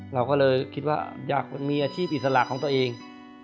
เราก็เลยคิดว่าอยากมีอาชีพอิสระของตัวเอง